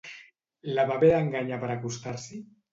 La va haver d'enganyar per acostar-s'hi?